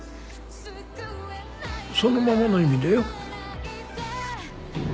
そのままの意味だよ。